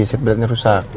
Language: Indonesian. seat belakangnya rusak